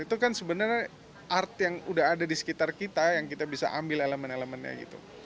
itu kan sebenarnya art yang udah ada di sekitar kita yang kita bisa ambil elemen elemennya gitu